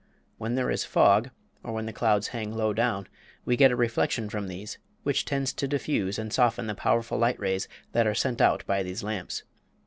When there is a fog, or when the clouds hang low down, we get a reflection from these which tends to diffuse and soften the powerful light rays that are sent out by these lamps.